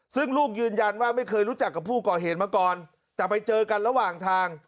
ซึ่งลูกยืนยันว่าไม่เคยรู้จักกับผู้ก่อเหตุมาก่อนแต่ไปเจอกันระหว่างทาง